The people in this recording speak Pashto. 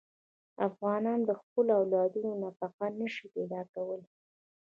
افغانان د خپلو اولادونو نفقه نه شي پیدا کولی.